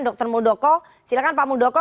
dr muldoko silakan pak muldoko